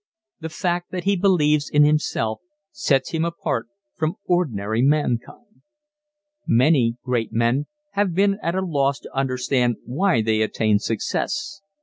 The fact that he believes in himself, sets him apart from ordinary mankind. Many great men have been at loss to understand why they attained success.